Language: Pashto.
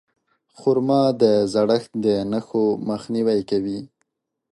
خرما د زړښت د نښو مخنیوی کوي.